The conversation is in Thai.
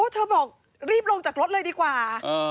เธอบอกรีบลงจากรถเลยดีกว่า